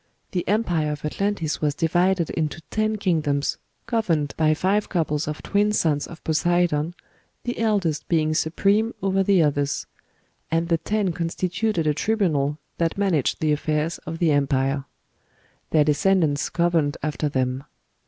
The empire of Atlantis was divided into ten kingdoms, governed by five couples of twin sons of Poseidon, the eldest being supreme over the others; and the ten constituted a tribunal that managed the affairs of the empire. Their descendants governed after them.